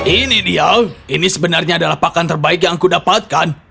ini dia ini sebenarnya adalah pakan terbaik yang kudapatkan